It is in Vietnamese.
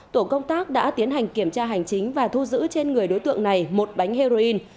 tổ công tác đã tiến hành kiểm tra hành chính và thu giữ trên người đối tượng này một bánh heroin